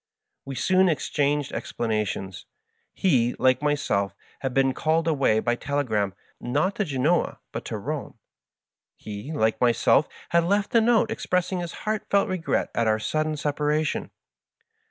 We soon exchanged explanations. He, like myself, had been called away by telegram, not to Gbnoa, but to Bome ; he, like myself, had left a note expressing his heartfelt regret at our sud den separation.